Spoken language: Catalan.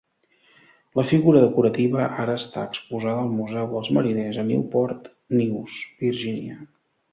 La figura decorativa ara està exposada al Museu dels Mariners a Newport News, Virginia.